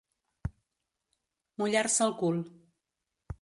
Mullar-se el cul.